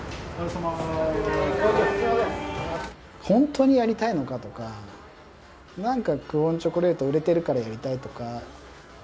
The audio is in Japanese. ホントにやりたいのかとか何か「久遠チョコレート」売れているからやりたいとか。